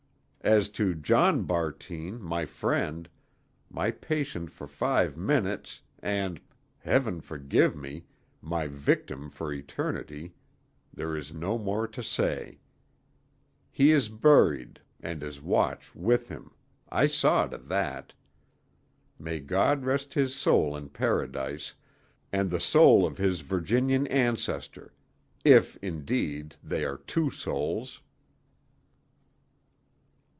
As to John Bartine, my friend, my patient for five minutes, and—Heaven forgive me!—my victim for eternity, there is no more to say. He is buried, and his watch with him—I saw to that. May God rest his soul in Paradise, and the soul of his Virginian ancestor, if, indeed, they are two souls.